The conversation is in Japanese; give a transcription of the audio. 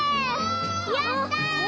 やった！